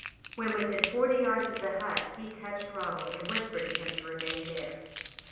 When within forty yards of the hut, he touched Ronald and whispered to him to remain there.